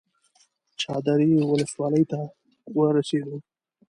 چادرې ولسوالۍ ته ورسېدو.